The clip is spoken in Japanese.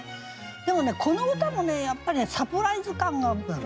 でもねこの歌もねやっぱサプライズ感が。